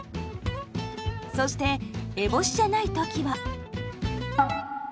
そして烏帽子じゃない時は。